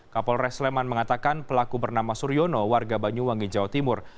kapolres sleman mengatakan pelaku bernama suryono warga banyuwangi jawa timur